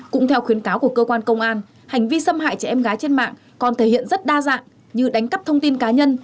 cũng theo khuyến cáo của cơ quan công an hành vi xâm hại trẻ em gái trên mạng còn thể hiện rất đa dạng như đánh cắp thông tin cá nhân